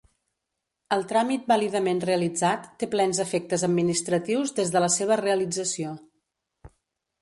El tràmit vàlidament realitzat té plens efectes administratius des de la seva realització.